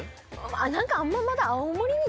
何かあんままだ。